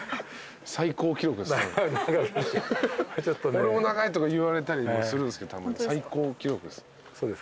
俺も長いとか言われたりもするんすけど最高記録です。